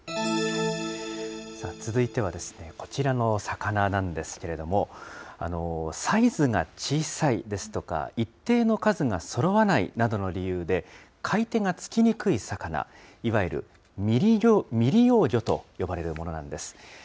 続いてはですね、こちらの魚なんですけれども、サイズが小さいですとか、一定の数がそろわないなどの理由で、買い手がつきにくい魚、いわゆる未利用魚と呼ばれるものなんです。